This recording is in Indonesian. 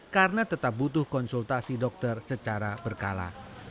karena tetap butuh konsultasi dokter secara berkala